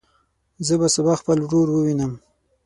زه به سبا خپل ورور ووینم.